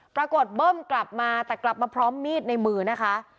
เบิ้มกลับมาแต่กลับมาพร้อมมีดในมือนะคะ